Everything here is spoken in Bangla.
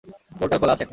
পোর্টাল খোলা আছে এখন।